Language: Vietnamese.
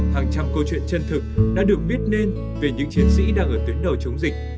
hàng trăm câu chuyện chân thực đã được biết nên về những chiến sĩ đang ở tuyến đầu chống dịch